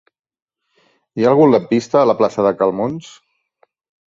Hi ha algun lampista a la plaça de Cal Muns?